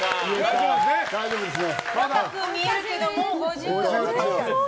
若く見えるけど、もう５０だ。